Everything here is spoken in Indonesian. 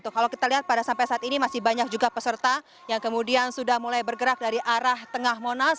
kalau kita lihat pada sampai saat ini masih banyak juga peserta yang kemudian sudah mulai bergerak dari arah tengah monas